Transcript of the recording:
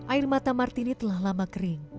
air mata martini telah lama kering